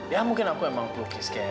ya mungkin aku emang pukul tapi